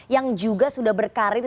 yang juga sudah berkarir